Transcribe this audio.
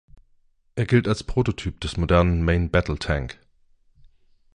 Er gilt als Prototyp des modernen "Main Battle Tank".